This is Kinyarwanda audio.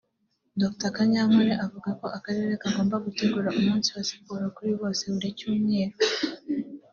Dr Kanyankore avuga ko akarere kagomba gutegura umunsi wa siporo kuri bose buri cyumweru